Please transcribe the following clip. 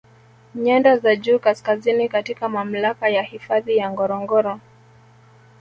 Nyanda za juu Kaskazini katika mamlaka ya hifadhi ya Ngorongoro